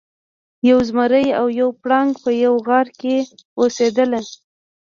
یو زمری او یو پړانګ په یوه غار کې اوسیدل.